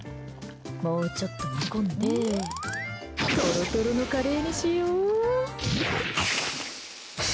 もうちょっと煮込んでトロトロのカレーにしよ。